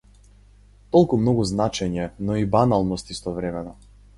Толку многу значење, но и баналност истовремено.